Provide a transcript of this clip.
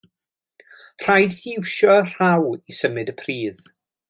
Rhaid i ti iwsio rhaw i symud y pridd.